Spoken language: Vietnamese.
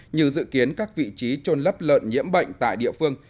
như dự kiến các vị trí trôn lấp lợn nhiễm bệnh tại địa phương